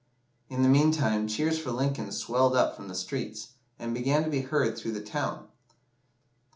In the meantime, cheers for Lincoln swelled up from the streets, and began to be heard through the town.